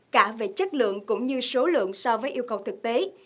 cả về chất lượng cũng như số lượng so với yêu cầu thực tế